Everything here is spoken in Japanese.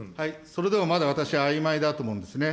それでもまだ私はあいまいだと思うんですね。